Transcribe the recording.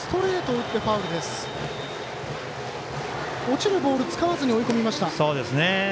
落ちるボールを使わずに追い込みました。